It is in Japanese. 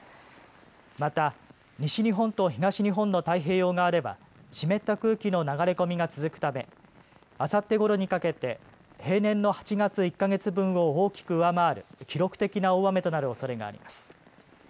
また、西日本と東日本の太平洋側では湿った空気の流れ込みが続くため、あさってごろにかけて平年の８月１か月分を大きく上回る記録的な大雨となるおそれがあります。